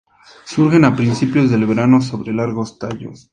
Surgen a principios del verano sobre largos tallos.